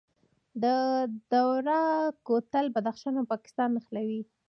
د دوراه کوتل بدخشان او پاکستان نښلوي